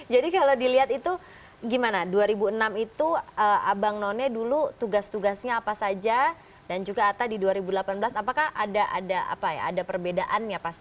jadi kalau dilihat itu gimana dua ribu enam itu abang none dulu tugas tugasnya apa saja dan juga atta di dua ribu delapan belas apakah ada perbedaannya